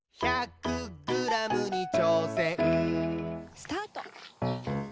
・スタート！